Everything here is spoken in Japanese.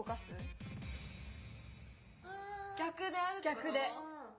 逆で。